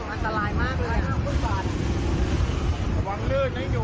อังจารย์มากเลย